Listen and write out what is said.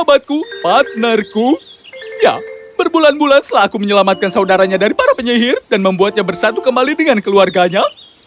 apakah aku menyelamatkan saudaranya dari para penyihir dan membuatnya bersatu kembali dengan keluarganya